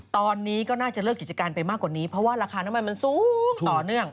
ตอนนี้ก็น่าจะเลิกกิจการไปมากกว่านี้เพราะว่าราคาน้ำมันมันสูงต่อเนื่อง